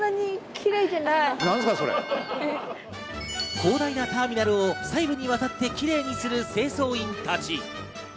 広大なターミナルを細部にわたってキレイにする清掃員たち。